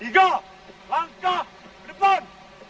tiga langkah ke depan